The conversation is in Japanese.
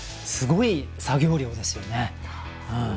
すごい作業量ですよね。